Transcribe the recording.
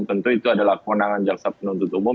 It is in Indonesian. tentu itu adalah kewenangan jaksa penuntut umum